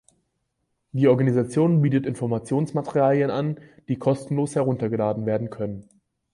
Die Organisation bietet Informationsmaterialien an, die kostenlos heruntergeladen werden können.